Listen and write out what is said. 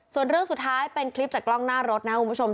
ส่วนเรื่องสุดท้ายเป็นคลิปจากกล้องหน้ารถนะครับคุณผู้ชม